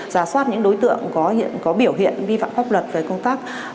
giả soát những đối tượng có biểu hiện vi phạm pháp luật